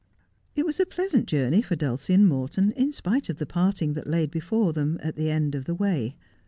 Jt was a pleasant journey for Dulcie and Morton, in spite of the parting that lay before them at the end of the way.